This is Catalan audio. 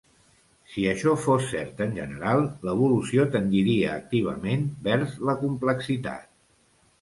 Si això fos cert en general, l'evolució tendiria activament vers la complexitat.